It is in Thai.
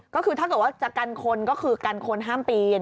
ก็คือถ้าเกิดว่าจะกันคนก็คือกันคนห้ามปีน